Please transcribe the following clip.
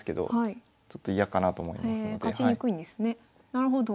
なるほど。